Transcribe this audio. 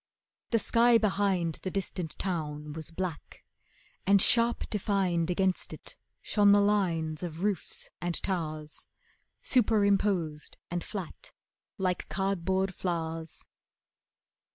The sky behind The distant town was black, and sharp defined Against it shone the lines of roofs and towers, Superimposed and flat like cardboard flowers.